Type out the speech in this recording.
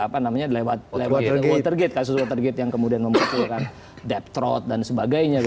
karena lewat watergate kasus watergate yang kemudian memusulkan depth road dan sebagainya